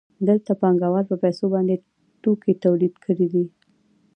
دلته پانګوال په پیسو باندې توکي تولید کړي دي